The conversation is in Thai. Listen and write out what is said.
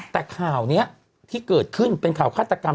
แต่ข่าวนี้ที่เกิดขึ้นเป็นข่าวฆาตกรรม